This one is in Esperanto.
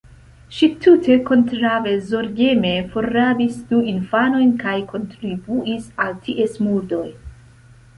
Ŝi tute kontraŭe, zorgeme forrabis du infanojn kaj kontribuis al ties murdoj.